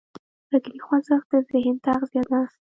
فکري خوځښت د ذهن تغذیه ده.